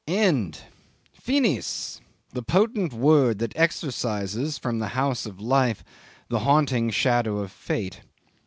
End! Finis! the potent word that exorcises from the house of life the haunting shadow of fate.